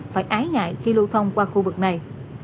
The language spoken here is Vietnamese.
phải ái ngại khi lưu thông qua khu vực này